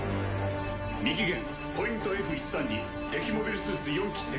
右舷ポイントＦ１３に敵モビルスーツ４機接近。